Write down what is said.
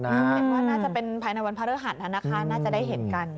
เห็นว่าน่าจะเป็นภายในวันพระฤหัสนะคะน่าจะได้เห็นกัน